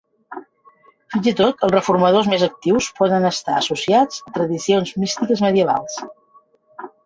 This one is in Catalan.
Fins i tot els reformadors més actius poden estar associats a tradicions místiques medievals.